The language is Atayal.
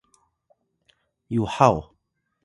yaya: Yuhaw